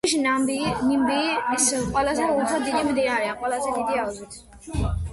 ფიში ნამიბიის ყველაზე უფრო დიდი მდინარეა, ყველაზე დიდი აუზით.